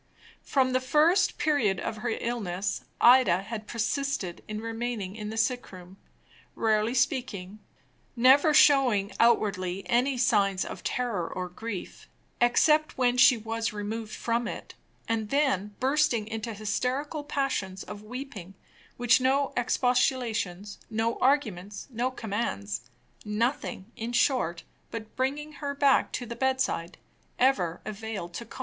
From the first period of her illness, Ida had persisted in remaining in the sick room, rarely speaking, never showing outwardly any signs of terror or grief, except when she was removed from it; and then bursting into hysterical passions of weeping, which no expostulations, no arguments, no commands nothing, in short, but bringing her back to the bedside ever availed to calm.